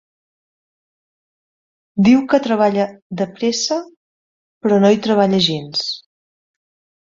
Diu que treballa de pressa, però no hi treballa gens.